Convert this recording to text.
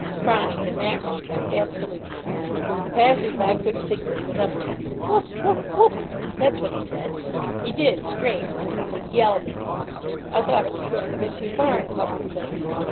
Chronic in that respect, absolutely. The passers by couldn't think what he was up to. "Whoop whoop whoop!" that's what he said. He did, straight. Only yelled it. I thought it was going a bit too far in a public place.